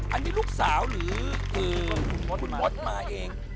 อันนี้ลูกสาวหรือคุณมดมาเอง